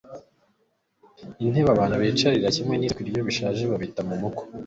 Intebe abantu bicarira kimwe n’isekuru, iyo bishaje babita mu muko,